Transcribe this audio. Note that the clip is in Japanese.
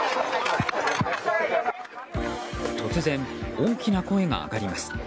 突然、大きな声が上がります。